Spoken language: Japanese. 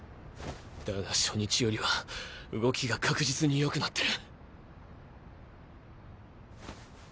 だが初日よりは動きが確実によくなってる。